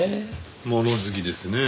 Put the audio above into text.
物好きですねえ。